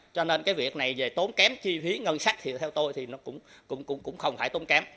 cho nên cái việc này về tốn kém chi phí ngân sách thì theo tôi thì nó cũng không phải tốn kém